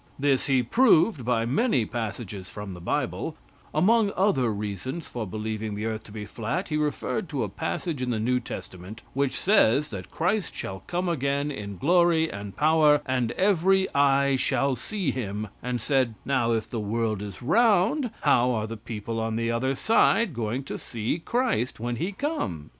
This he proved by many passages from the Bible; among other reasons for believing the earth to be flat he referred to a passage in the New Testament, which says that Christ shall come again in glory and power, and every eye shall see him, and said, now, if the world is round how are the people on the other side going to see Christ when he comes?